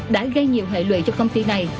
đã gây nhiều hệ lụy cho công ty này